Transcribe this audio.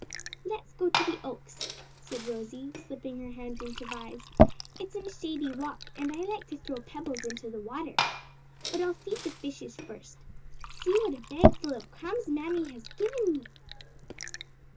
"Let's go to the Oaks," said Rosie, slipping her hand into Vi's; "it's a nice shady walk, and I like to throw pebbles into the water. But I'll feed the fishes first. See what a bag full of crumbs mammy has given me."